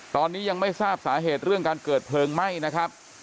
ตอนนี้ยังไม่ทราบสาเหตุเรื่องการเกิดเพลิงไหม้นะครับ